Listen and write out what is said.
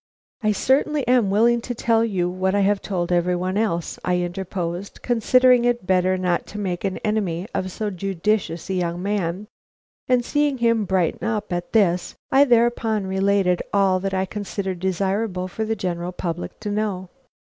"I certainly am willing to tell you what I have told every one else," I interposed, considering it better not to make an enemy of so judicious a young man; and seeing him brighten up at this, I thereupon related all I considered desirable for the general public to know.